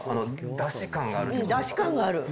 だし感がある。